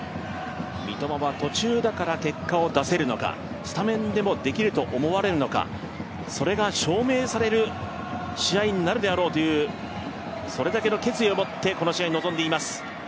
三笘は途中だから結果を出せるのか、スタメンでもできると思われるのかそれが証明される試合になるであろうという、それだけの決意を持ってこの試合に臨んでいます。